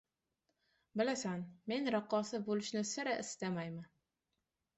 Bilasan, men raqqosa bo`lishni sira istamayman